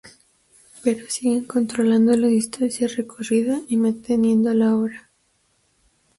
Pero siguen controlando la distancia recorrida y manteniendo la hora.